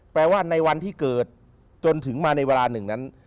แปลว่าในวันที่เกิดจนถึงมาในเวลาหนึ่งนั้น